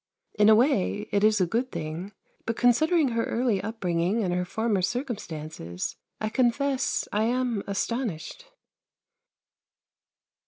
In a way it is a good thing, but considering her early upbringing and her former circumstances, I confess I am astonished.